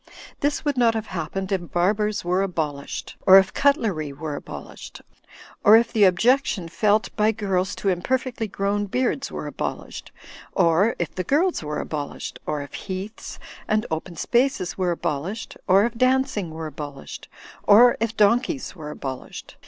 This would not have happened if barbers were abolished, or if cutlery were abolished, or if the objection felt by girls to imperfectly grown beards were abolished, or if the girls were abolished, or if heaths and open spaces were abolished, or if dancing were abolished, or if donkeys were abolished.